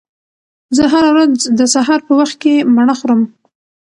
زه هره ورځ د سهار په وخت کې مڼه خورم.